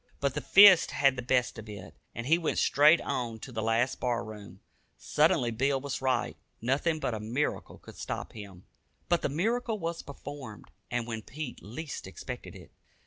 But the fist had the best of it, and he went straight on to the last bar room. Surely Bill was right. Nothing but a miracle could stop him. But the miracle was performed, and when Pete least expected it.